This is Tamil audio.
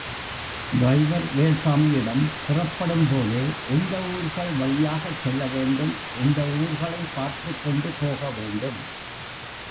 டிரைவர் வேல்சாமியிடம் புறப்படும்போதே எந்த ஊர்கள் வழியாகச் செல்ல வேண்டும் எந்த ஊர்களை பார்த்துக் கொண்டு போக வேண்டும்.